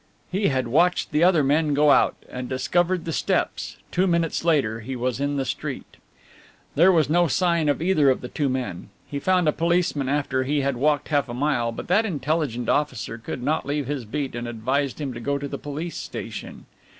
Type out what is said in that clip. He had watched the other men go out and discovered the steps two minutes later he was in the street. There was no sign of either of the two men. He found a policeman after he had walked half a mile, but that intelligent officer could not leave his beat and advised him to go to the police station.